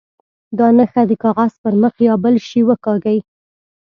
دا نښه د کاغذ پر مخ یا بل شي وکاږي.